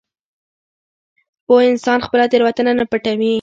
پوه انسان خپله تېروتنه نه پټوي.